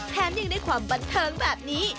แถมยังได้ความบันเทิงแบบนี้